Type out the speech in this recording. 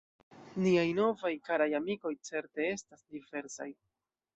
Niaj novaj karaj amikoj certe estas diversaj.